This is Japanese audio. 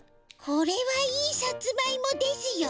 これはいいサツマイモですよ。